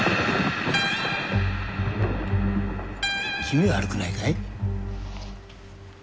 気味悪くないかい？